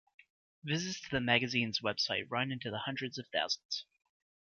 Visits to the magazine's website run into the hundreds of thousands.